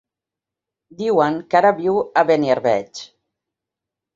Diuen que ara viu a Beniarbeig.